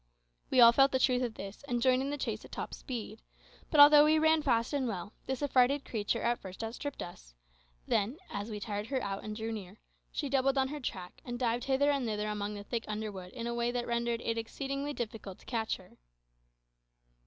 We all felt the truth of this, and joined in the chase at top speed. But although we ran fast and well, the affrighted creature at first outstripped us. Then, as we tired her out and drew near, she doubled on her track, and dived hither and thither among the thick underwood in a way that rendered it exceedingly difficult to catch her.